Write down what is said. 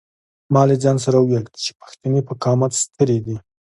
ما له ځان سره وویل چې پښتنې په قامت سترې دي.